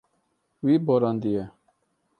Wî borandiye.